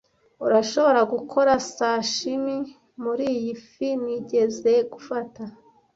Urashobora gukora sashimi muriyi fi nigeze gufata?